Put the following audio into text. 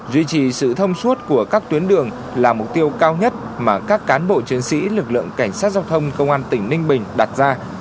duy trì sự thông suốt của các tuyến đường là mục tiêu cao nhất mà các cán bộ chiến sĩ lực lượng cảnh sát giao thông công an tỉnh ninh bình đặt ra